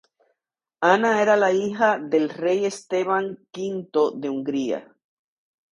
Ana era hija del rey Esteban V de Hungría.